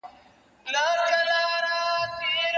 د دې خلکو دي خدای مل سي له پاچا څخه لار ورکه